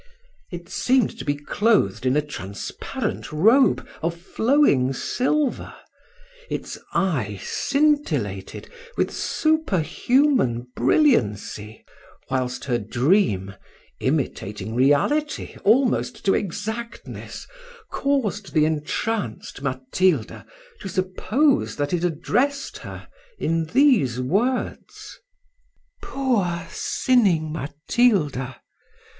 It seemed to be clothed in a transparent robe of flowing silver: its eye scintillated with super human brilliancy, whilst her dream, imitating reality almost to exactness, caused the entranced Matilda to suppose that it addressed her in these words: "Poor sinning Matilda!